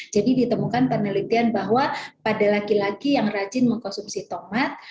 jadi ditemukan penelitian bahwa pada laki laki yang rajin mengkonsumsi tomat